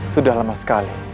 sudah lama sekali